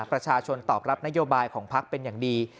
ประชาชนตอบรับนโยบายของพักเป็นอย่างดี